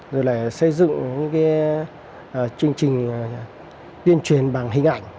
rồi là xây dựng những chương trình tuyên truyền bằng hình ảnh